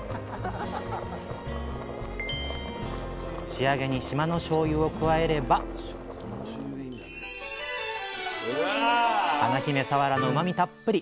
仕上げに島のしょうゆを加えれば華姫さわらのうまみたっぷり！